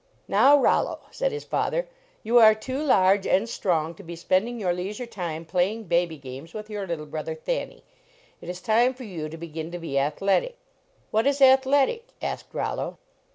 " Now, Rollo," said his father, " you are too large and strong to be spending your leisure time playing baby games with your little brother Thanny. It is time for you to begin to be athletic." What is athletic? " asked Rollo.